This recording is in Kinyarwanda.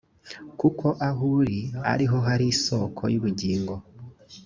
kuko aho uri ari ho hari is ko y ubugingo